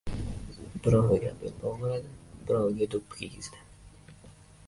biroviga belbog‘ o‘radi, biroviga do‘ppi kiygizdi.